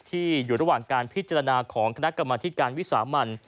อยู่ระหว่างการพิจารณาของคณะกรรมธิการวิสามัน